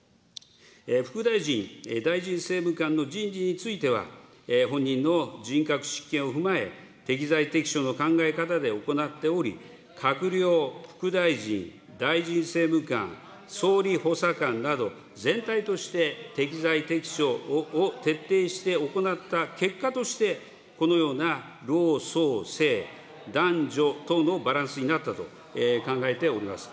副大臣、大臣政務官の人事については、本人の人格を踏まえ、適材適所の考え方で行っており、閣僚、副大臣、大臣政務官、総理補佐官など、全体として適材適所を徹底して行った結果として、このような老壮青男女等のバランスになったと考えております。